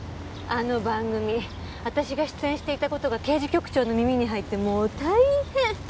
あの番組私が出演していた事が刑事局長の耳に入ってもう大変！